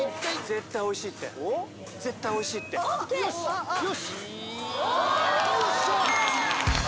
絶対おいしいって、絶対おいよし、よし。よっしゃ！